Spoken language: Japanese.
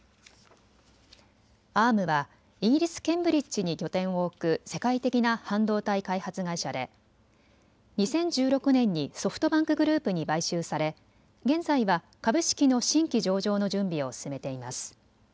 Ａｒｍはイギリス・ケンブリッジに拠点を置く世界的な半導体開発会社で２０１６年にソフトバンクグループに買収され現在は株式の新規上場の準備を進めています。